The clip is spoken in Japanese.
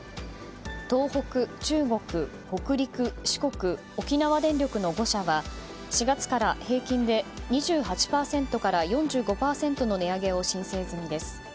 東北、中国、北陸、四国沖縄電力の５社は４月から平均で２８％から４５％の値上げを申請済みです。